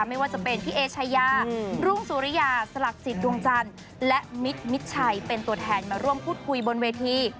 ไม่ว่าจะเป็นพี่เอชายารุ่งสุริยาสลักจิตดวงจันทร์และมิตรมิดชัยเป็นตัวแทนมาร่วมพูดคุยบนเวที